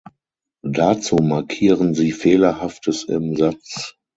Dazu markieren sie Fehlerhaftes im Satz.